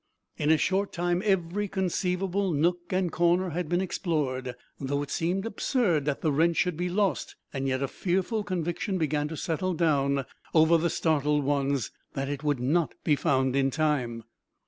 In a short time every conceivable nook and corner had been explored. Though it seemed absurd that the wrench should be lost, yet a fearful conviction began to settle down over the startled ones that it would not be found in time.